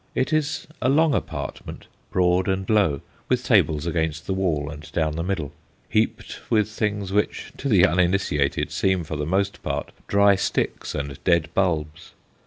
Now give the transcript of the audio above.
It is a long apartment, broad and low, with tables against the wall and down the middle, heaped with things which to the uninitiated seem, for the most part, dry sticks and dead bulbs.